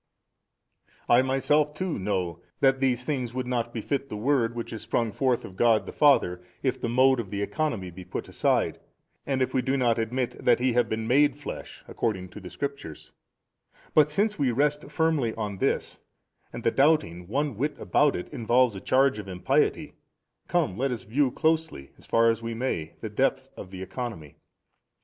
I myself too know that these things would not befit the Word which is sprung forth of God the Father, if the mode of the Economy be put aside 45 and if we do not admit |288 that He have been made flesh according to the Scriptures: but since we rest firmly on this, and the doubting one whit abont it involves a charge of impiety, come let us view closely, as far as we may, the depth of the economy.